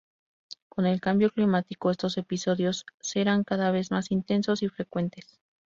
con el cambio climático estos episodios serán cada vez más intensos y frecuentes